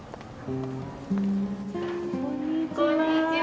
こんにちは。